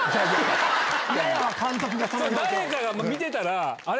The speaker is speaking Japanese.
誰かが見てたらあれ？